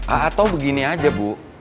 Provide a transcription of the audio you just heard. atau begini aja bu